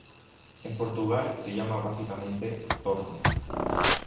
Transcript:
En Portugal se llama básicamente "torta".